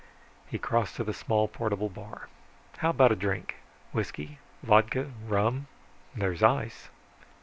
He crossed to the small portable bar. "How about a drink? Whisky, vodka, rum there's ice."